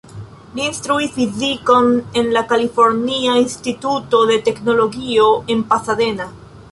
Li instruis fizikon en la Kalifornia Instituto de Teknologio en Pasadena.